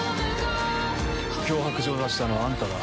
脅迫状を出したのはあんただ。